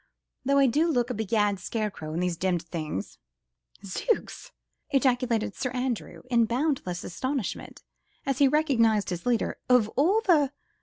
though I do look a begad scarecrow in these demmed things." "Zooks!" ejaculated Sir Andrew in boundless astonishment as he recognised his leader, "of all the